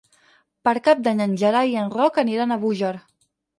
Per Cap d'Any en Gerai i en Roc aniran a Búger.